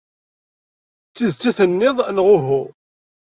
D tidet i tenniḍ, neɣ uhu?